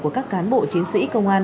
của các cán bộ chiến sĩ công an